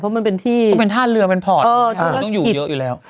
เพราะมันเป็นที่เป็นท่าเรือเป็นพอร์ตมันต้องอยู่เยอะอยู่แล้ว